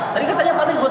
tadi katanya pak legu